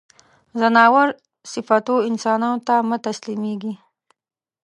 ځناور صفتو انسانانو ته مه تسلیمېږی.